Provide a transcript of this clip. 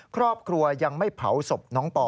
ครอบครัวยังไม่เผาศพน้องปอ